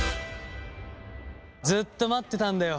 「ずっと待ってたんだよ